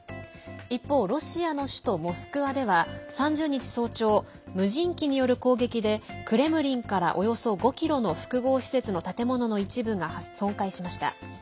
一方、ロシアの首都モスクワでは３０日早朝無人機による攻撃でクレムリンから、およそ５ｋｍの複合施設の建物の一部が損壊しました。